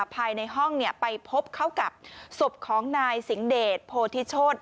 ภายในห้องไปพบเข้ากับศพของนายสิงเดชโพธิโชธ